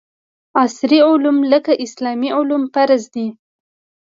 عصري علوم لکه اسلامي علوم فرض دي